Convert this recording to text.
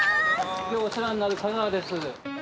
今日お世話になる香川です。